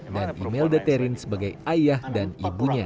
dan imelda terin sebagai ayah dan ibunya